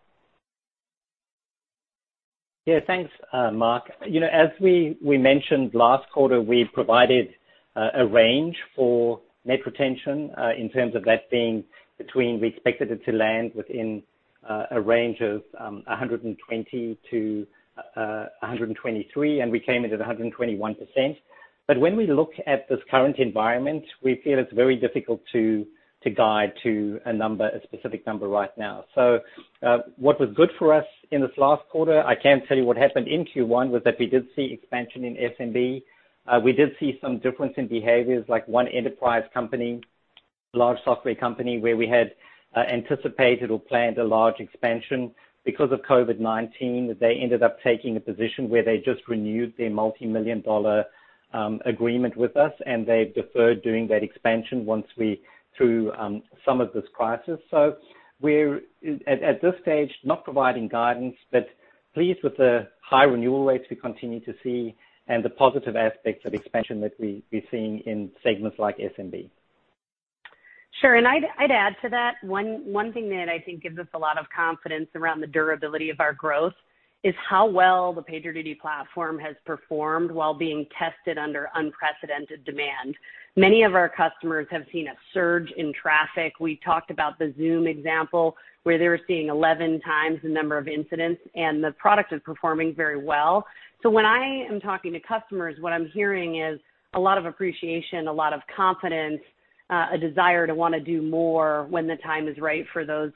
Yeah, thanks Mark. As we mentioned last quarter, we provided a range for net retention in terms of that being between we expected it to land within a range of 120%-123%, and we came in at 121%. When we look at this current environment, we feel it's very difficult to guide to a specific number right now. What was good for us in this last quarter, I can tell you what happened in Q1, was that we did see expansion in SMB. We did see some difference in behaviors like one enterprise company ,large software company where we had anticipated or planned a large expansion. Because of COVID-19, they ended up taking a position where they just renewed their multimillion-dollar agreement with us, and they've deferred doing that expansion through some of this crisis. We're, at this stage, not providing guidance, but pleased with the high renewal rates we continue to see and the positive aspects of expansion that we're seeing in segments like SMB. Sure. I'd add to that. One thing that I think gives us a lot of confidence around the durability of our growth is how well the PagerDuty platform has performed while being tested under unprecedented demand. Many of our customers have seen a surge in traffic. We talked about the Zoom example, where they were seeing 11 times the number of incidents, and the product is performing very well. When I am talking to customers, what I'm hearing is a lot of appreciation, a lot of confidence, a desire to want to do more when the time is right for those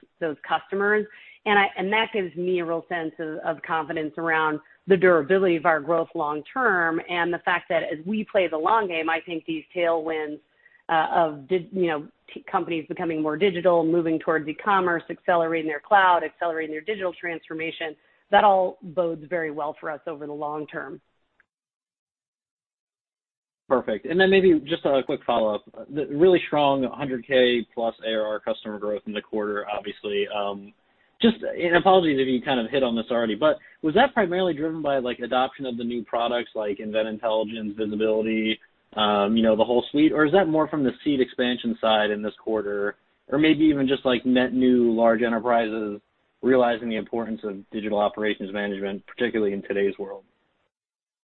customers. That gives me a real sense of confidence around the durability of our growth long term and the fact that as we play the long game, I think these tailwinds of companies becoming more digital, moving towards e-commerce, accelerating their cloud, accelerating their digital transformation, that all bodes very well for us over the long term. Perfect. Then maybe just a quick follow-up. Really strong $100,000+ ARR customer growth in the quarter, obviously. Apologies if you kind of hit on this already, but was that primarily driven by adoption of the new products like Event Intelligence, Visibility, the whole suite, or is that more from the seat expansion side in this quarter, or maybe even just net new large enterprises realizing the importance of Digital Operations Management, particularly in today's world?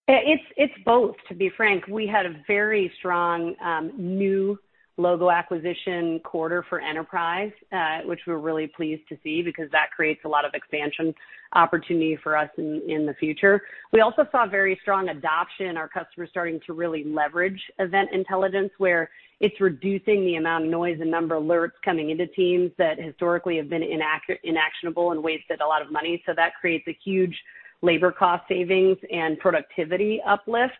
It's both, to be frank. We had a very strong new logo acquisition quarter for enterprise, which we're really pleased to see because that creates a lot of expansion opportunity for us in the future. We also saw very strong adoption, our customers starting to really leverage Event Intelligence, where it's reducing the amount of noise and number of alerts coming into Teams that historically have been inactionable and wasted a lot of money. That creates a huge labor cost savings and productivity uplift.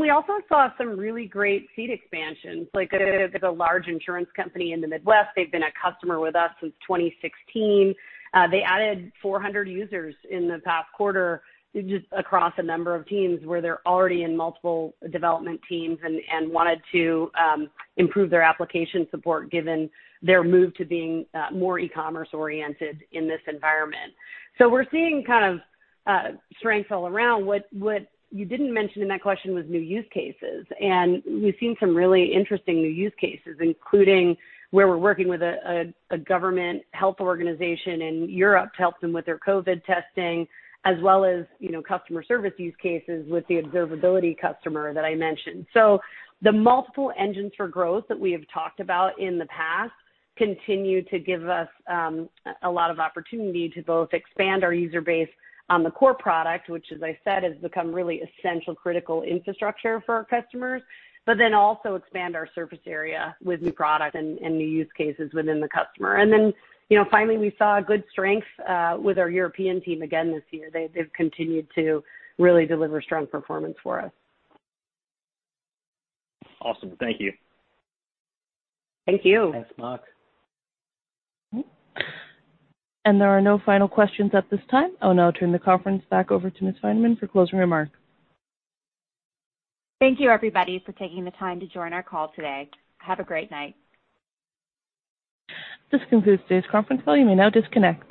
We also saw some really great seat expansions. Like there's a large insurance company in the Midwest, they've been a customer with us since 2016. They added 400 users in the past quarter, just across a number of teams where they're already in multiple development teams and wanted to improve their application support given their move to being more e-commerce oriented in this environment. We're seeing kind of strength all around. What you didn't mention in that question was new use cases, and we've seen some really interesting new use cases, including where we're working with a government health organization in Europe to help them with their COVID testing, as well as customer service use cases with the Observability customer that I mentioned. The multiple engines for growth that we have talked about in the past continue to give us a lot of opportunity to both expand our user base on the core product, which, as I said, has become really essential, critical infrastructure for our customers, but then also expand our surface area with new product and new use cases within the customer. Finally, we saw a good strength with our European team again this year. They've continued to really deliver strong performance for us. Awesome. Thank you. Thank you. Thanks, Mark. There are no final questions at this time. I'll now turn the conference back over to Ms. Finerman for closing remarks. Thank you, everybody, for taking the time to join our call today. Have a great night. This concludes today's conference call. You may now disconnect.